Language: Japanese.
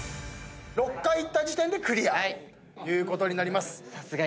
６回いった時点でクリアということになります。